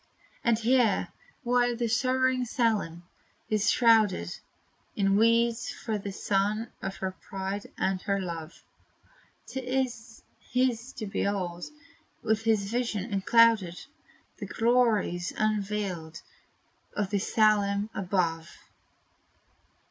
And here, while the sorrowing Salem is shrouded In weeds, for the son of her pride and her love, 'T is his to behold, with a vision unclouded, The glories unveiled of the SALEM above.